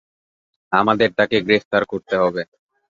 আমাদের তাকে গ্রেফতার করতে হবে।